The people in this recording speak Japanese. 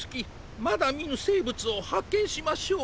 まだみぬせいぶつをはっけんしましょう。